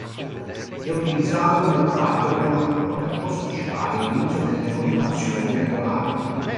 È utilizzato nel parto prematuro per posticipare l'inizio delle contrazioni regolari.